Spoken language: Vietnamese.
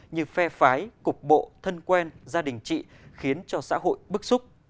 như phe phái cục bộ thân quen gia đình chị khiến cho xã hội bức xúc